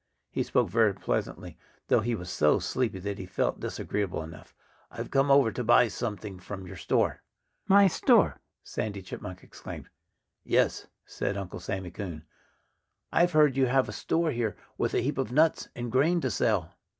He spoke very pleasantly, though he was so sleepy that he felt disagreeable enough. "I've come over to buy something from your store." "My store!" Sandy Chipmunk exclaimed. "Yes!" said Uncle Sammy Coon. "I've heard you have a store here with a heap of nuts and grain to sell."